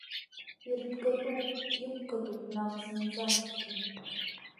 Ирбгатәуп, иқәгатәуп наҟ зынӡаскгьы.